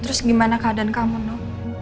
terus gimana keadaan kamu no